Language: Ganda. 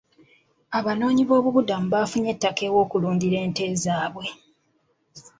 Abanoonyi b'obubudamu baafunye ettaka aw'okulundira ente zaabwe.